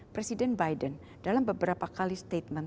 presiden biden dalam beberapa kali statement